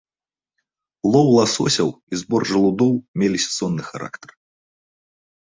Лоў ласосяў і збор жалудоў мелі сезонны характар.